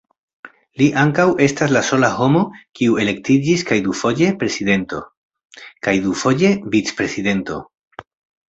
Li ankaŭ estas la sola homo, kiu elektiĝis kaj dufoje prezidento, kaj dufoje vic-prezidento.